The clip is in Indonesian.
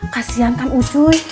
kasian kan ucuy